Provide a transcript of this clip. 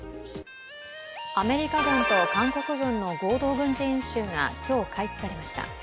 アメリカ軍と韓国軍の合同軍事演習が今日、開始されました。